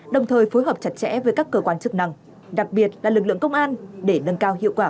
đồng thời phối hợp chặt chẽ với các cơ quan chức năng đặc biệt là lực lượng công an để nâng cao hiệu quả